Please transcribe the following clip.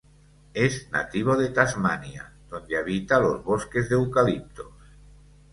Es nativo de Tasmania donde habita los bosques de eucaliptos.